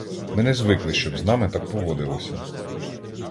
Ми не звикли, щоб з нами так поводилися!